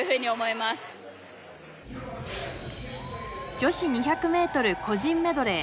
女子２００ｍ個人メドレー